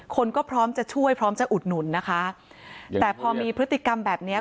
คนก็พร้อมจะช่วยพร้อมจะอุดหนุนนะคะแต่พอมีพฤติกรรมแบบเนี้ย